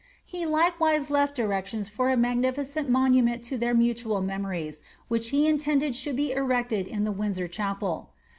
He likewise left directions for a magniticent monument to their mutual memories, which he intended should be erected in the Windsor Chapel.